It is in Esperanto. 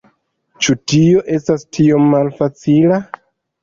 Ĉu tio estas tiom malfacila?